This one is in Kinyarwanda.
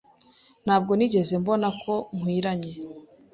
Ntabwo nigeze mbona ko nkwiranye.